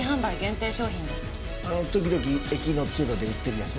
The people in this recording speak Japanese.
あの時々駅の通路で売ってるやつな。